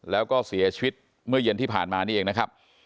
แล้วก็เสียชีวิตเมื่อเย็นที่ผ่านมานี่เองนะครับ